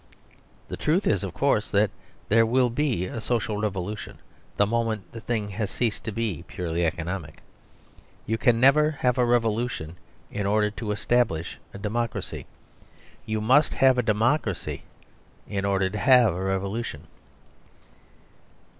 The truth is, of course, that there will be a social revolution the moment the thing has ceased to be purely economic. You can never have a revolution in order to establish a democracy. You must have a democracy in order to have a revolution.